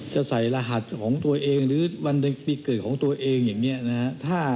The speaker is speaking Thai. จะใส่รหัสของตัวเองหรือวันปีเกิดของตัวเองอย่างนี้นะฮะ